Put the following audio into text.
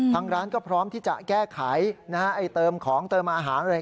ทางร้านก็พร้อมที่จะแก้ไขเติมของเติมอาหารอะไร